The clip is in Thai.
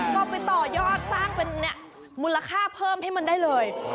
ก็ไปต่อยอดสร้างเป็นมูลค่าเพิ่มให้มันได้เลย